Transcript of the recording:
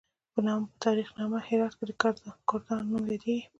په تاریخ نامه هرات کې د کردانو نوم یادیږي.